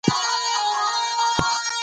علم د ټولنیزو خدمتونو کیفیت لوړوي.